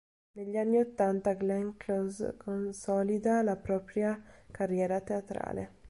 Negli anni ottanta Glenn Close consolida la propria carriera teatrale.